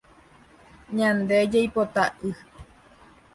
Ñande jaipota y.